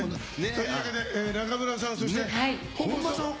というわけで、中村さん、そして本間さん。